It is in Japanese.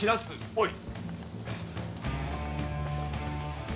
おい！